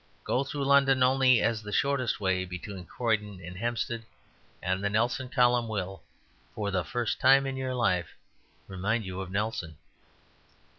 Go through London only as the shortest way between Croydon and Hampstead, and the Nelson Column will (for the first time in your life) remind you of Nelson.